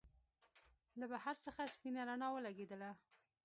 له بهر څخه سپينه رڼا ولګېدله.